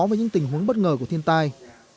với những tình huống bất ngờ của thiên tai